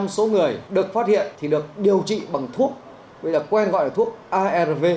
một mươi số người được phát hiện thì được điều trị bằng thuốc bây giờ quen gọi là thuốc arv